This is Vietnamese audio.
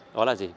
đó là gì